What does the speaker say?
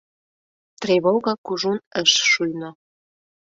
Тревога кужун ыш шуйно.